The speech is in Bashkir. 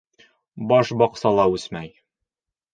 Баш баҡсала үҫмәй.